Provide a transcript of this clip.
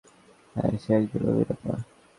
হ্যাঁ, সে একজন অভিনেতা।